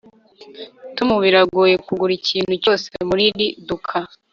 tom biragoye kugura ikintu cyose muriri duka